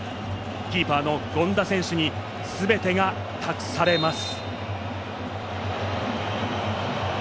キーパーの権田選手に全てが託されます。